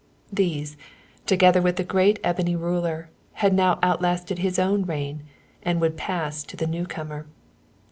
These, together with the great ebony ruler, had now outlasted his own reign and would pass to the new comer.